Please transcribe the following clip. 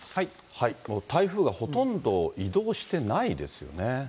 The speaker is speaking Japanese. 台風がほとんど移動してないですよね。